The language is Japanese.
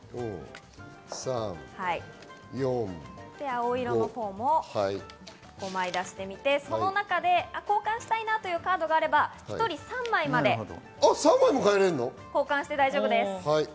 青色も５枚出して、その中から交換したいカードがあれば１人３枚まで交換して大丈夫です。